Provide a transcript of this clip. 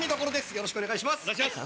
よろしくお願いします！